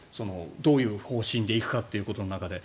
どういう方針で行くかということの中で。